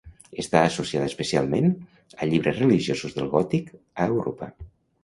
Està associada especialment a llibres religiosos del gòtic, a Europa.